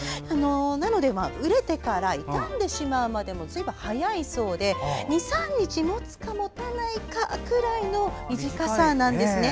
なので、うれてから傷んでしまうまでが早いそうで２３日持つか持たないかくらいの短さなんですね。